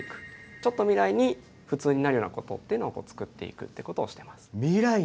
ちょっと未来に普通になるようなことっていうのをつくっていくってことをしてます。